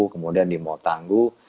kemudian di mall tanggu